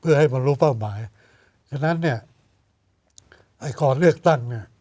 เพื่อให้มารู้เป้าหมายฉะนั้นเนี่ยไอ้ขอเลือกตั้งเนี่ย